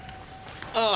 ああ！